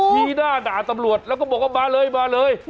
ทีหน้าด่าตำรวจแล้วก็บอกว่ามาเลยมาเลย